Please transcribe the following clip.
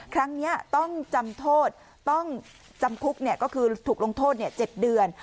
ครั้งนี้ต้องจำโทษต้องจำคุกก็คือถูกลงโทษ๗เดือน